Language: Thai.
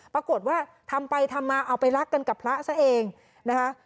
ปรากฏว่าทำไปทำมาเอาไปรักกันกับพระซะเองนะคะ